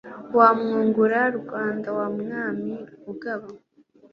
Wa Mwungura-Rwanda wa Mwami ugaba,